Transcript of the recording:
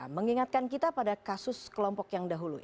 mengingatkan kita pada kasus kelompok yang dahulu